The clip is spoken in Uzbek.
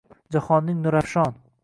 Jahonning nurafshon